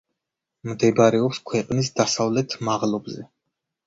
მდებარეობს ქვეყნის დასავლეთ მაღლობზე.